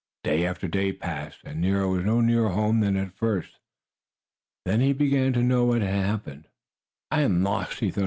Day after day passed, and Nero was no nearer home than at first. Then he began to know what had happened. "I am lost!" he thought.